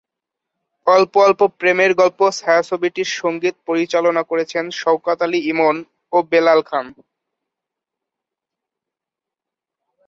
অল্প অল্প প্রেমের গল্প ছায়াছবিটির সঙ্গীত পরিচালনা করেছেন শওকত আলী ইমন ও বেলাল খান।